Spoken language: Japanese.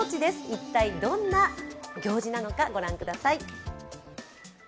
一体、どんな行事なのかご覧ください。